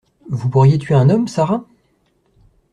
Vous pourriez tuer un homme, Sara?